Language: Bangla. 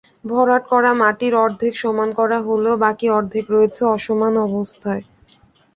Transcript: ভরাট করা মাটির অর্ধেক সমান করা হলেও বাকি অর্ধেক রয়েছে অসমান অবস্থায়।